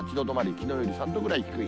きのうより３度ぐらい低い。